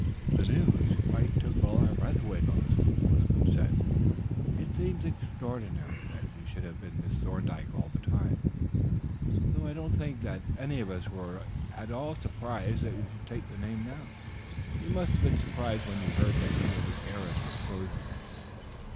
"The news quite took all our breath away, Millicent," one of them said. "It seems extraordinary that you should have been Miss Thorndyke all the time, though I don't think that any of us were at all surprised that you should take the name now; you must have been surprised when you heard that you were the heiress of Crowswood."